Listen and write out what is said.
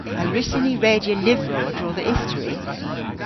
A wrussyn ni redya lyvrow a-dro dhe istori?